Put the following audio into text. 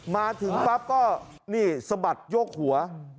มาถึงปั๊บก็นี่สะบัดโยกหัว